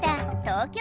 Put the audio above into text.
東京